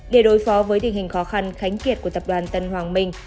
để đối phó với tình hình khó khăn khánh kiệt của tập đoàn tân hoàng minh